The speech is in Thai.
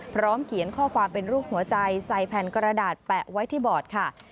พร้อมเขียนข้อความเป็นรูปหัวใจใส่แผ่นกระดาษแปะไว้ที่บอดค่ะ